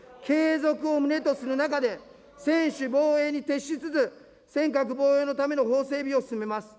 継続を旨とする中で、専守防衛に徹しつつ、尖閣防衛のための法整備を進めます。